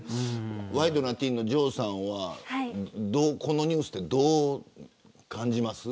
ワイドナティーンの城さんはこのニュースはどう感じます。